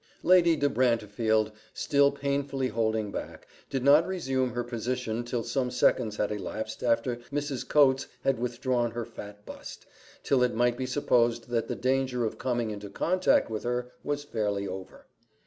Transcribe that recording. Lady de Brantefield, still painfully holding back, did not resume her position till some seconds had elapsed after Mrs. Coates had withdrawn her fat bust till it might be supposed that the danger of coming into contact with her was fairly over.